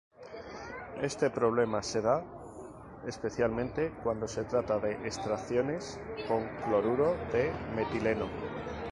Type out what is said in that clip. Este problema se da, especialmente, cuando se trata de extracciones con cloruro de metileno.